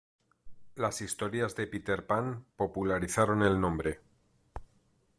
Las historias de Peter Pan popularizaron el nombre.